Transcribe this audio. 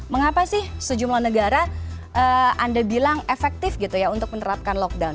mengapa sih sejumlah negara anda bilang efektif gitu ya untuk menerapkan lockdown